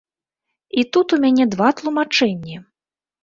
І тут у мяне два тлумачэнні.